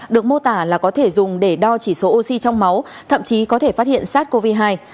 được mô tả là có thể dùng để đo chỉ số oxy trong máu thậm chí có thể phát hiện sars cov hai